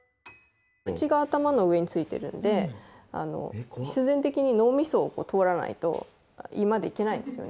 口が頭の上についてるんで必然的に脳みそを通らないと胃まで行けないですよね。